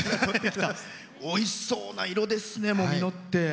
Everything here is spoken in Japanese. おいしそうな色ですね実ってて。